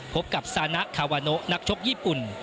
พบกับซานะคาวาโนนักชกญี่ปุ่น